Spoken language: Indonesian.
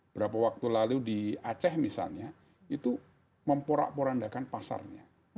berapa waktu lalu di aceh misalnya itu memporak porandakan pasarnya